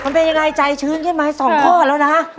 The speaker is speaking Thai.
มันเป็นยังไงใจชื้นขึ้นมา๒ข้อแล้วนะ